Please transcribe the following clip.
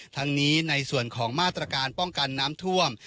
ทั้งนี้ในส่วนของมาตรการป้องกันน้ำท่วม